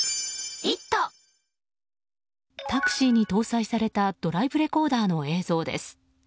タクシーに搭載されたドライブレコーダーの映像です。